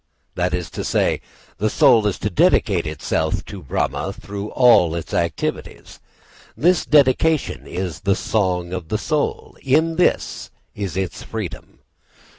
] That is to say, the soul is to dedicate itself to Brahma through all its activities. This dedication is the song of the soul, in this is its freedom.